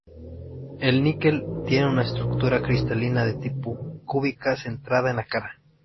El níquel tiene una estructura cristalina de tipo cúbica centrada en la cara.